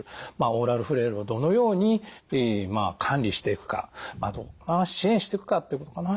オーラルフレイルをどのように管理していくかどんな支援していくかってことかな。